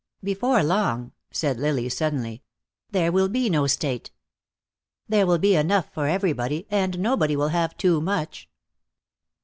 "Before long," said Lily suddenly, "there will be no state. There will be enough for everybody, and nobody will have too much."